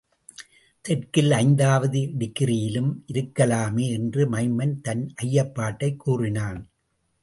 தெற்கில் ஐந்தாவது டிகிரியிலும் இருக்கலாமே? என்று மைமன் தன் ஐயப்பாட்டைக் கூறினான்.